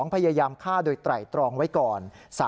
พยายามฆ่าโดยไตรตรองไว้ก่อน